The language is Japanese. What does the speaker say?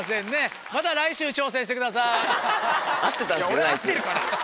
俺合ってるから。